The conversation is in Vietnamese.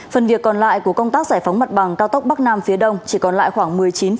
phần việc còn lại của công tác giải phóng mặt bằng cao tốc bắc nam phía đông chỉ còn lại khoảng một mươi chín